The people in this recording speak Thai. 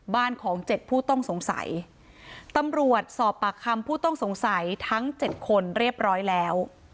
บ้านของเจ็ดผู้ต้องสงสัยตำรวจสอบปากคำผู้ต้องสงสัยทั้ง๗คนเรียบร้อยแล้ว